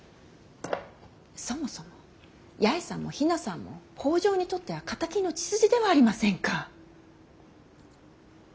そもそも八重さんも比奈さんも北条にとっては敵の血筋ではありませんか。